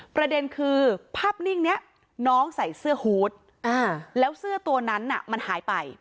ประเด็นคือภาพนิ่งนี้น้องใส่เสื้อฮูตแล้วเสื้อตัวนั้นมันหายไป